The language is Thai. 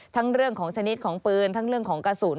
เรื่องของชนิดของปืนทั้งเรื่องของกระสุน